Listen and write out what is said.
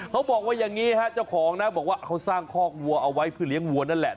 เขาบอกว่าอย่างนี้ฮะเจ้าของนะบอกว่าเขาสร้างคอกวัวเอาไว้เพื่อเลี้ยงวัวนั่นแหละ